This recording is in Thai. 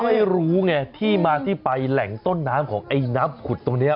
ไม่รู้ไงที่มาที่ไปแหล่งต้นน้ำของไอ้น้ำขุดตรงนี้